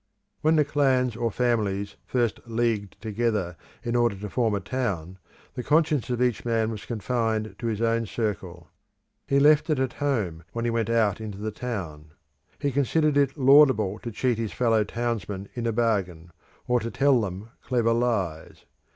When the clans or families first leagued together in order to form a town, the conscience of each man was confined to his own circle. He left it at home when he went out into the town. He considered it laudable to cheat his fellow townsmen in a bargain, or to tell them clever lies.